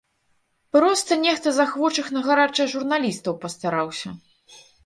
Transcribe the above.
Проста нехта з ахвочых на гарачае журналістаў пастараўся.